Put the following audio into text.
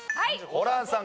ホランさん